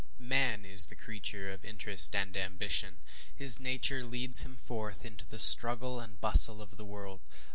Man is the creature of interest and ambition. His nature leads him forth into the struggle and bustle of the world.